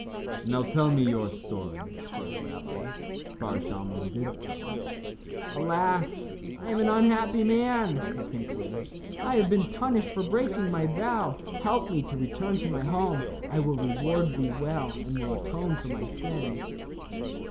"Now tell me your story," said the rabbi. Bar Shalmon did so. "Alas! I am an unhappy man," he concluded. "I have been punished for breaking my vow. Help me to return to my home. I will reward thee well, and will atone for my sin."